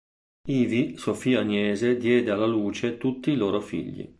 Ivi Sofia Agnese diede alla luce tutti i loro figli.